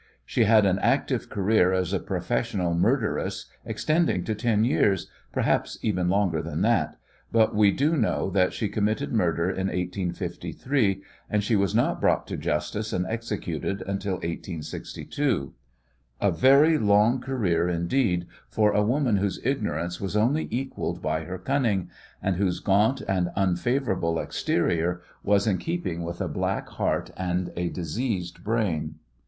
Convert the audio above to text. She had an active career as a professional murderess extending to ten years, perhaps even longer than that, but we do know that she committed murder in 1853, and she was not brought to justice and executed until 1862. A very long career, indeed, for a woman whose ignorance was only equalled by her cunning, and whose gaunt and unfavourable exterior was in keeping with a black heart and a diseased brain.